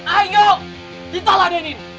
ayo ditolak deh ini